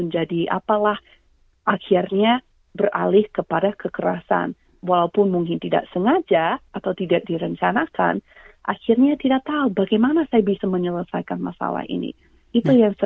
jadi ini merupakan satu krisis nasional kan ibu